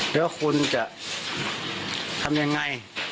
แล้วคุณจะทำยังไง